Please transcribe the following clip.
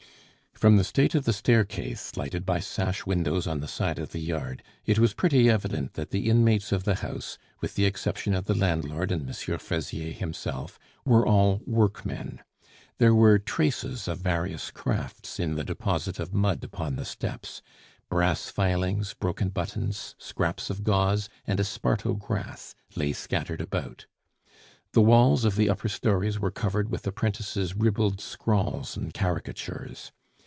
From the state of the staircase, lighted by sash windows on the side of the yard, it was pretty evident that the inmates of the house, with the exception of the landlord and M. Fraisier himself, were all workmen. There were traces of various crafts in the deposit of mud upon the steps brass filings, broken buttons, scraps of gauze, and esparto grass lay scattered about. The walls of the upper stories were covered with apprentices' ribald scrawls and caricatures.